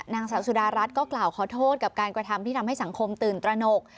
นางสาวสุดารัฐก็กล่าวขอโทษกับการกระทำที่ทำให้สังคมตื่นตระหนก